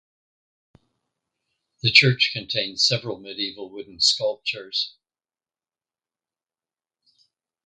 The church contains several medieval wooden sculptures.